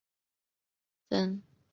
曾祖父吴荣祖。